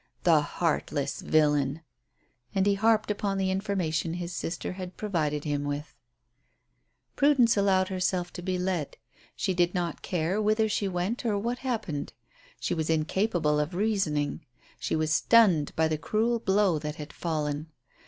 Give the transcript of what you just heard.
The heartless villain!" And he harped upon the information his sister had provided him with. Prudence allowed herself to be led. She did not care whither she went or what happened. She was incapable of reasoning. She was stunned by the cruel blow that had fallen.